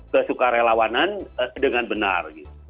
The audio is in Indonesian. kesukaan relawanan dengan benar